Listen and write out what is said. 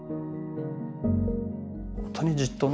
ほんとにじっとね